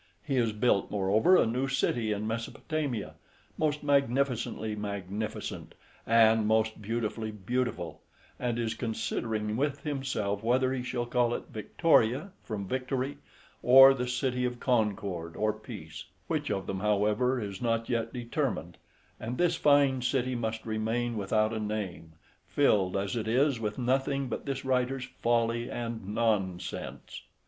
He has built, moreover, a new city in Mesopotamia, most magnificently magnificent, and most beautifully beautiful, and is considering with himself whether he shall call it Victoria, from victory, or the City of Concord, or Peace, which of them, however, is not yet determined, and this fine city must remain without a name, filled as it is with nothing but this writer's folly and nonsense.